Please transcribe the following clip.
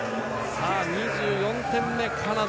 さあ、２４点目がカナダ。